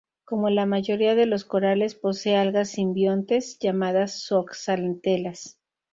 Como la mayoría de los corales, posee algas simbiontes, llamadas zooxantelas.